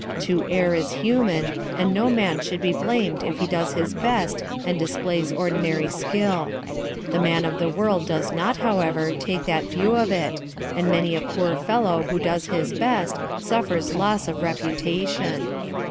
To err is human, and no man should be blamed if he does his best and displays ordinary skill. The man of the world does not, however, take that view of it, and many a poor fellow who does his best suffers loss of reputation.